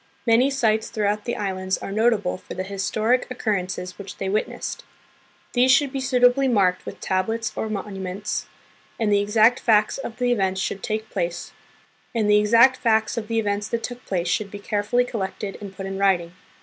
Many sites throughout the islands are notable for the historic occur rences which they witnessed. These should be suitably marked with tablets or monuments, and the exact facts of the events that took place should be carefully collected, and put in writing.